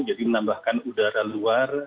jadi menambahkan udara luar